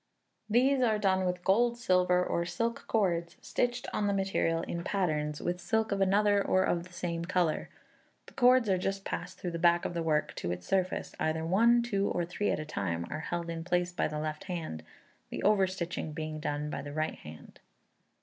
These are done with gold, silver, or silk cords, stitched on the material in patterns, with silk of another, or of the same colour. The cords are just passed through the back of the work to its surface; either one, two, or three at a time are held in place by the left hand, the over stitching being done by the right hand.